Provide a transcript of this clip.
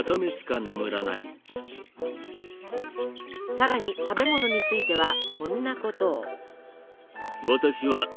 さらに食べ物についてはこんなことを。